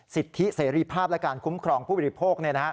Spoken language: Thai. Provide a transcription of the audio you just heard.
สิทธิเสรีภาพและการคุ้มครองผู้บริโภค